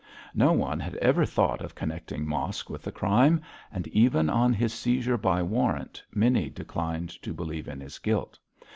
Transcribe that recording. No one had ever thought of connecting Mosk with the crime; and even on his seizure by warrant many declined to believe in his guilt.